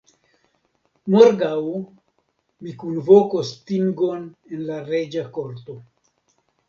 Morgaŭ mi kunvokos tingon en la reĝa korto.